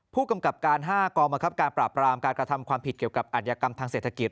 ผู้กำกับการ๕กองบังคับการปราบรามการกระทำความผิดเกี่ยวกับอัธยกรรมทางเศรษฐกิจ